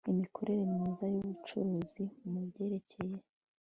imikorere myiza y ubucuruzi mu byerekeye